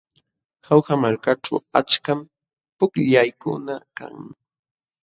Jauja malkaćhu achkam pukllaykuna kan.